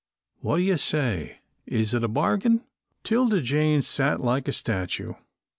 What do you say is it a bargain?" 'Tilda Jane sat like a statue.